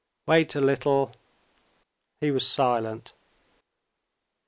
"Wait a little." He was silent.